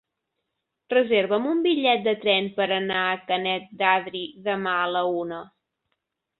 Reserva'm un bitllet de tren per anar a Canet d'Adri demà a la una.